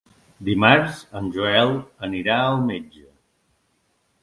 Dimarts en Joel anirà al metge.